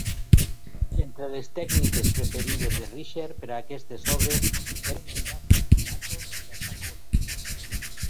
Entre les tècniques preferides de Risher per aquestes obres eren el "basso ostinato" i la xacona.